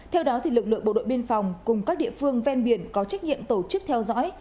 theo đó lực lượng bộ đội biên phòng cùng các địa phương ven biển có trách nhiệm tổ chức theo dõi